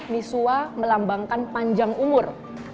misua melambangkan panjang umur